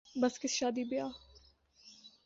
بس کس شادی بیاہ